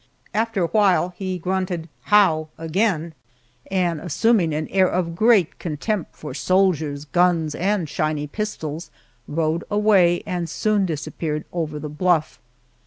After a while he grunted "How!" again, and, assuming an air of great contempt for soldiers, guns, and shiny pistols, rode away and soon disappeared over the bluff.